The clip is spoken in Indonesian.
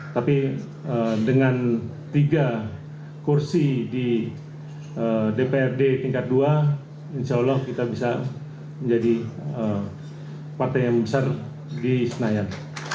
tapi dengan tiga kursi di dprd tingkat dua insya allah kita bisa menjadi partai yang besar di senayan